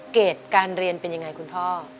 เกรดการเรียนเป็นยังไงคุณพ่อ